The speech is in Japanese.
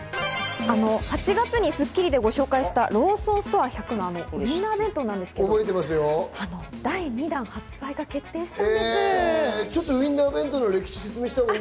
８月に『スッキリ』でご紹介したローソンストア１００のウインナー弁当なんですが、第２弾の発売が決定しました。